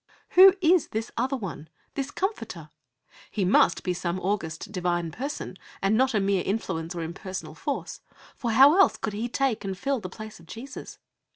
Who is this other One this Comforter? He must be some august Divine Person, and not a mere influence or impersonal force, for how else could He take and fill the place of Jesus?